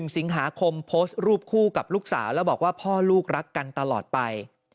๑สิงหาคมโพสต์รูปคู่กับลูกสาวแล้วบอกว่าพ่อลูกรักกันตลอดไป